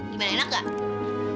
gimana enak gak